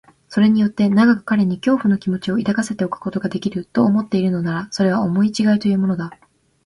それによって長く彼に恐怖の気持を抱かせておくことができる、と思っているのなら、それは思いちがいというものだ。